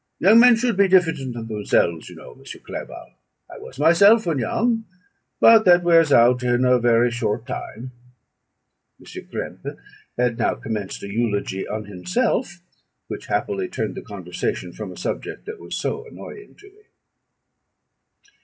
Young men should be diffident of themselves, you know, M. Clerval: I was myself when young; but that wears out in a very short time." M. Krempe had now commenced an eulogy on himself, which happily turned the conversation from a subject that was so annoying to me.